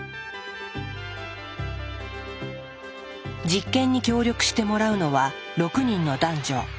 実験に協力してもらうのは６人の男女。